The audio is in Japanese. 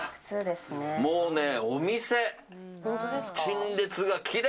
もうね、お店。